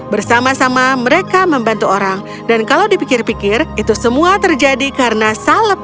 bersama sama mereka membantu orang dan kalau dipikir pikir itu semua terjadi karena salep